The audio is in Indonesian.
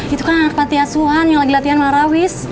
itu kan pak tia suhan yang lagi latihan warawis